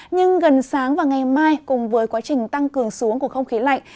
nhưng gần sáng và ngày mai cùng với quá trình tăng cường xuống của không khí lạnh